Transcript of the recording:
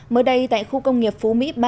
mới đây tại khu công nghiệp phú mỹ ba